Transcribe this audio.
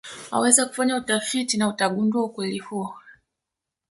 Waweza kufanya utafiti na utagundua ukweli huo